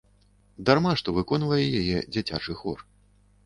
Дарма, што выконвае яе дзіцячы хор.